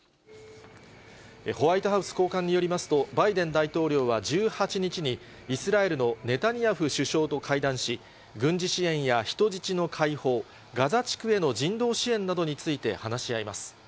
ホワイトハウス高官によりますと、バイデン大統領は１８日に、イスラエルのネタニヤフ首相と会談し、軍事支援や人質の解放、ガザ地区への人道支援などについて話し合います。